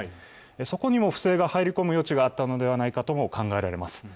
そこにも不正が入り込む余地があったのではないかと考えられます。